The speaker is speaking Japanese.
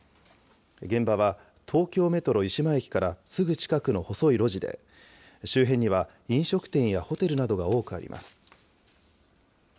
現場は東京メトロ湯島駅からすぐ近くの細い路地で、周辺には飲食店やホテルなどが多くあります。